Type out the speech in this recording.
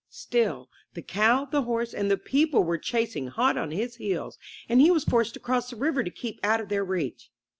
Still, the cow, the horse and the people were chasing hot on his heels and he was forced to cross the river to keep out of their reach.